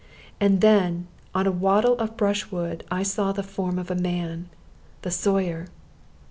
And then on a wattle of brush wood I saw the form of a man the Sawyer.